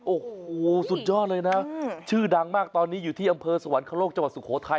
โอ้โหสุดยอดเลยนะชื่อดังมากตอนนี้อยู่ที่อำเภอสวรรคโลกจังหวัดสุโขทัย